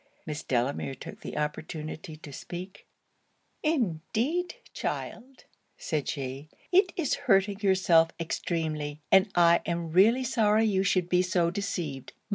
Miss Delamere took the opportunity to speak 'Indeed, child,' said she, 'it is hurting yourself extremely; and I am really sorry you should be so deceived.